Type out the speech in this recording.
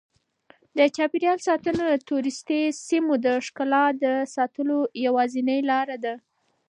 د چاپیریال ساتنه د توریستي سیمو د ښکلا د ساتلو یوازینۍ لاره ده.